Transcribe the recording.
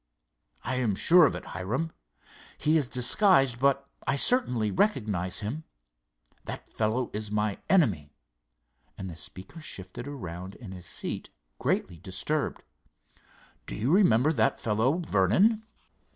"I am sure of it, Hiram. He is disguised, but I certainly recognize him. That fellow is my enemy," and the speaker shifted around in his seat, greatly disturbed. "Do you remember that fellow Vernon?"